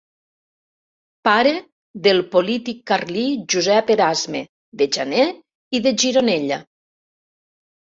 Pare del polític carlí Josep Erasme de Janer i de Gironella.